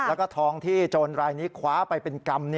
แล้วก็ทองที่โจรรายนี้คว้าไปเป็นกรรม